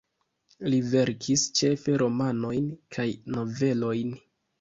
Li verkis ĉefe romanojn kaj novelojn.